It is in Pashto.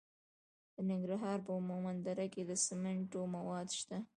د ننګرهار په مومند دره کې د سمنټو مواد شته.